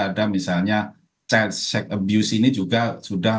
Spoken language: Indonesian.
ada misalnya check abuse ini juga sudah